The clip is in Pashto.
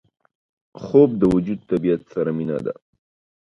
خوب د وجود طبیعت سره مینه ده